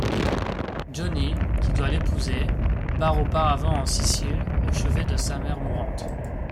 Johnny, qui doit l'épouser, part auparavant en Sicile au chevet de sa mère mourante.